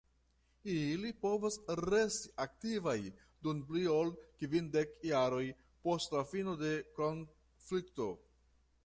Ili povas resti aktivaj dum pli ol kvindek jaroj post la fino de konflikto.